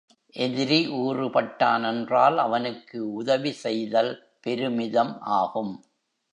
எதிரி ஊறுபட்டான் என்றால் அவனுக்கு உதவிசெய்தல் பெருமிதம் ஆகும்.